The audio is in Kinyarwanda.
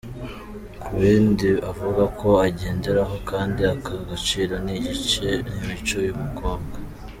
Ku bindi avuga ko agenderaho kandi aha agaciro, ni imico y’umukobwa.